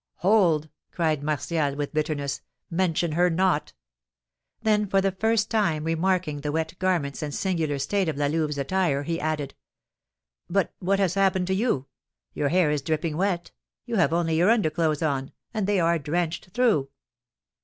"Hold!" cried Martial, with bitterness; "mention her not." Then for the first time remarking the wet garments and singular state of La Louve's attire, he added, "But what has happened to you? Your hair is dripping wet; you have only your underclothes on; and they are drenched through."